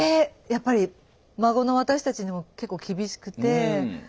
やっぱり孫の私たちにも結構厳しくて礼儀とか。